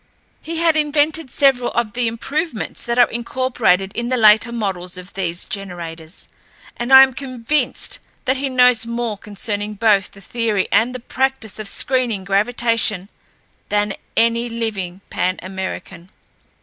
He had invented several of the improvements that are incorporated in the later models of these generators, and I am convinced that he knows more concerning both the theory and the practice of screening gravitation than any living Pan American.